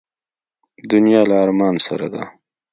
دنیا له ارمان سره ده.